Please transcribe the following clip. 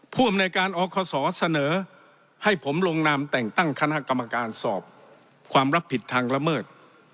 ผู้อำนวยการอคศเสนอให้ผมลงนามแต่งตั้งคณะกรรมการสอบความรับผิดทางละเมิด